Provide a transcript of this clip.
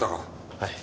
はい。